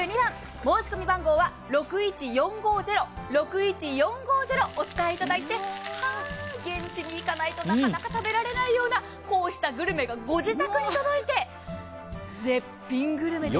申し込み番号は６１４５０６１４５０、お伝えいただいて現地に行かないとなかなか食べられないようなこうしたグルメがご自宅に届いて絶品グルメですよ。